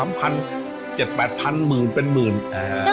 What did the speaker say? มาเท่าไหร่แต่๘๑๐๐๐บาท